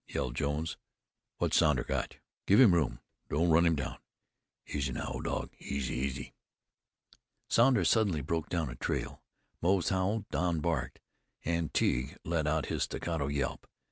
yelled Jones "What's Sounder got? Give him room don't run him down. Easy now, old dog, easy, easy!" Sounder suddenly broke down a trail. Moze howled, Don barked, and Tige let out his staccato yelp.